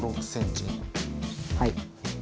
はい。